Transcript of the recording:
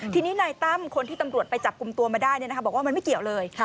ทีนี้นายตั้มคนที่ตำรวจไปจับกลุ่มตัวมาได้บอกว่ามันไม่เกี่ยวเลย